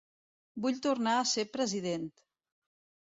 Vull tornar a ser president